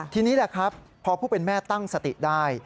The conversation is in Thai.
ทีนี้แหละครับพอผู้เป็นแม่ตั้งสติได้